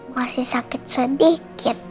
masih sakit sedikit